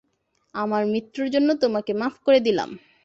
আমার মৃত্যুর জন্য তোমাকে মাফ করে দিলাম।